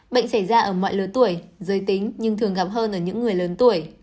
bệnh xảy ra ở mọi lứa tuổi giới tính nhưng thường gặp hơn ở những người lớn tuổi